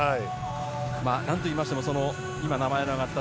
何といいましても今、名前が挙がりました